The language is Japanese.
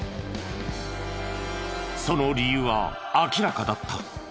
その理由は明らかだった。